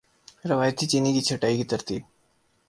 روایتی چینی کی چھٹائی کی ترتیب